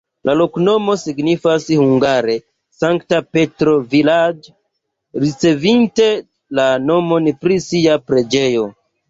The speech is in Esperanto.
La loknomo signifas hungare: Sankta Petro-vilaĝ', ricevinte la nomon pri sia preĝejo.